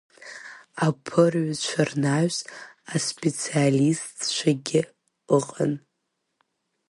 Аԥырҩцәа рнаҩс аспециалистцәагьы ыҟан.